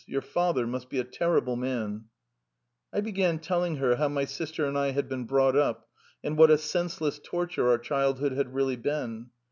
Your father must be a terrible man." I began to tell her how my sister and I had been brought up and how absurd and full of torture our childhood had been.